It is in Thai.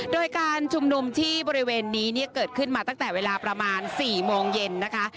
โดยการชุมนุมที่บริเวณนี้เนี่ยเกิดขึ้นมาตั้งแต่เวลาประมาณ๔โมงเย็นนะคะ